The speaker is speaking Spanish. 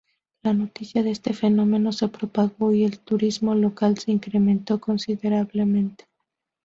La noticia de este fenómeno se propagó y el turismo local se incrementó considerablemente.